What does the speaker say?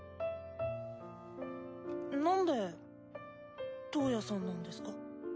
なんでトウヤさんなんですか？